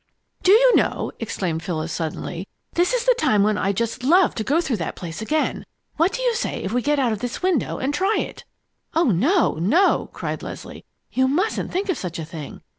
"Do you know," exclaimed Phyllis suddenly, "this is the time when I'd just love to go through that place again! What do you say if we get out of this window and try it?" "Oh, no, no!" cried Leslie. "You mustn't think of such a thing!